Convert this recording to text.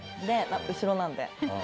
後ろなんで。